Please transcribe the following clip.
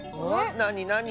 なになに？